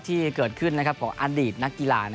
ที่เกิดขึ้นของอดีตนักกีฬา